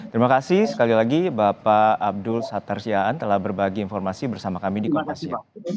terima kasih sekali lagi bapak abdul satar siaan telah berbagi informasi bersama kami di kopasya